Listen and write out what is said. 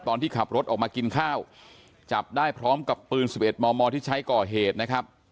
ตอนที่ขับรถออกมากินข้าวจับได้พร้อมกับปืน๑๑มมที่ใช้ก่อเหตุนะครับ